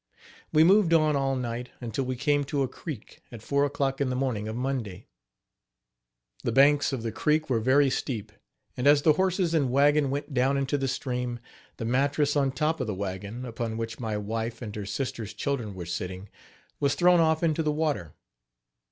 We moved on all night, until we came to a creek, at four o'clock in the morning of Monday. The banks of the creek were very steep, and as the horses and wagon went down into the stream, the mattress on top of the wagon, upon which my wife and her sister's children were sitting, was thrown off into the water.